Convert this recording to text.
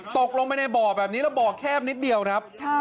ตกลงไปในบ่อแบบนี้แล้วบ่อแคบนิดเดียวครับ